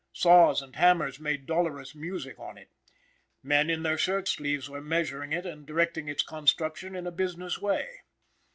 Saws and hammers made dolorous music on it. Men, in their shirt sleeves, were measuring it and directing its construction in a business way.